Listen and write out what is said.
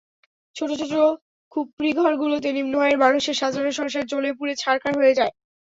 ছোট ছোট খুপরিঘরগুলোতে নিম্ন আয়ের মানুষের সাজানো সংসার জ্বলেপুড়ে ছারখার হয়ে যায়।